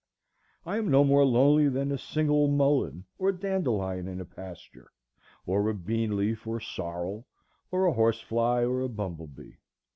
I am no more lonely than a single mullein or dandelion in a pasture, or a bean leaf, or sorrel, or a horse fly, or a bumble bee.